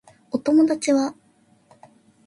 お友達は